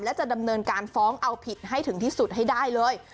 และจะดำเนินการฟ้องเอาผิดให้ถึงที่สุดให้ได้เลย